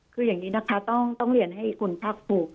คืออย่างนี้นะคะต้องเรียนให้คุณภาคภูมิ